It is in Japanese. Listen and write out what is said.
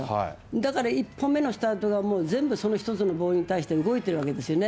だから一歩目のスタートがもう全部その１つのボールに対して動いてるわけですよね。